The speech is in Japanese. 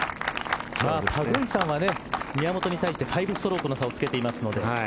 パグンサンはね、宮本に対して５ストロークの差をつけていますので。